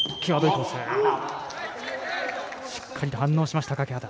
しっかりと反応しました、欠端。